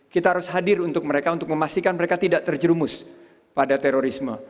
kita harus hadir untuk mereka untuk memastikan mereka tidak terjerumus pada terorisme